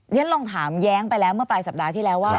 ฉันลองถามแย้งไปแล้วเมื่อปลายสัปดาห์ที่แล้วว่า